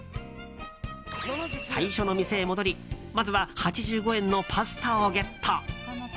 最初の店へ戻りまずは８５円のパスタをゲット。